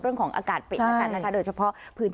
เอาลงมาเลยจ้ะ